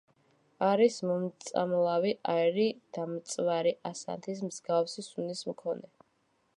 არის მომწამლავი აირი, დამწვარი ასანთის მსგავსი სუნის მქონე.